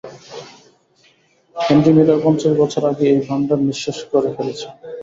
Henry Miller পঞ্চাশ বছর আগেই এর ভাণ্ডার নিঃশেষ করে ফেলেছে।